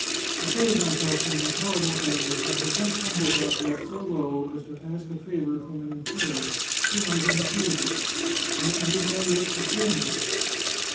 " To save myself from this horrible anguish I have just humbled myself so low as to ask a favour from an inferior, who might have refused it, and who may yet betray me.